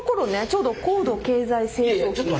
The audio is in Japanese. ちょうど高度経済成長期。